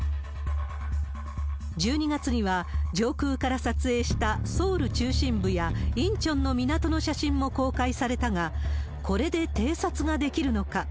１２月には、上空から撮影したソウル中心部や、インチョンの港の写真も公開されたが、これで偵察ができるのか。